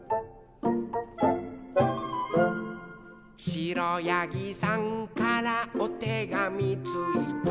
「しろやぎさんからおてがみついた」